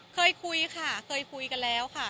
เคยคุยค่ะเคยคุยกันแล้วค่ะ